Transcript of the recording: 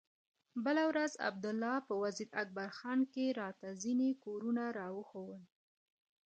بله ورځ عبدالله په وزير اکبر خان کښې راته ځينې کورونه راوښوول.